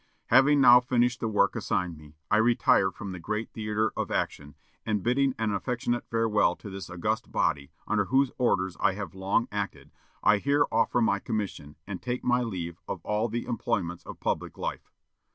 "Having now finished the work assigned me, I retire from the great theatre of action; and bidding an affectionate farewell to this august body, under whose orders I have long acted, I here offer my commission, and take my leave of all the employments of public life."